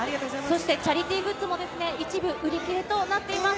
チャリティーグッズも一部売り切れとなっています。